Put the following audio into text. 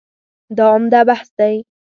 دا عمده بحث دی.